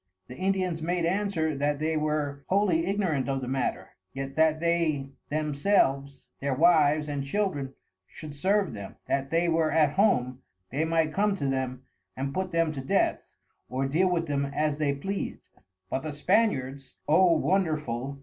The Indians made answer that they were wholly ignorant of the matter, yet that they themselves, their Wives and Children should serve them; that they were at home, they might come to them and put them to Death, or deal with them as they pleas'd. But the Spaniards, O wonderful!